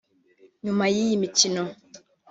nyuma y'iyi mikino